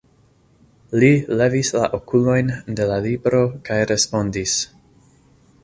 Li levis la okulojn de la libro kaj respondis: